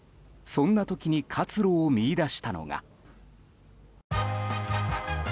そんな時に活路を見いだしたのが。